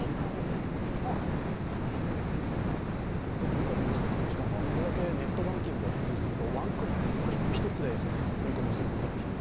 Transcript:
今回のニュースで感じたのは、これだけネットバンキングが普及するとワンクリック、クリック１つで振り込みをすることができる。